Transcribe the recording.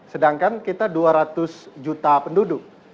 sedangkan kita dua ratus juta penduduk